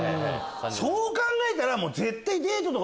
そう考えたら。